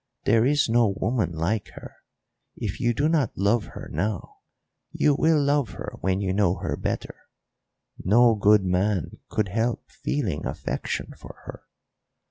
There is no woman like her. If you do not love her now you will love her when you know her better; no good man could help feeling affection for her.